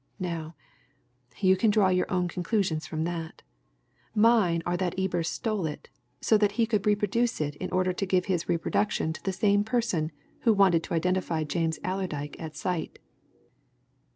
Now, you can draw your own conclusions from that mine are that Ebers stole it, so that he could reproduce it in order to give his reproduction to some person who wanted to identify James Allerdyke at sight.